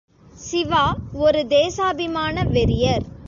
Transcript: சிவா ஒரு தேசாபிமான வெறியர்.